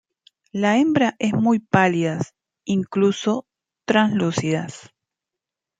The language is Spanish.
La hembra es muy pálidas, incluso translúcidas.